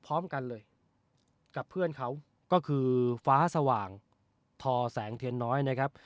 พร้อมกันเลยกับเพื่อนเขาก็คือฟ้าสว่างทอแสงเทียนน้อยนะครับ